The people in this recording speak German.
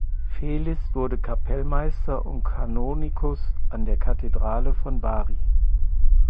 Felis wurde Kapellmeister und Kanonikus an der Kathedrale von Bari.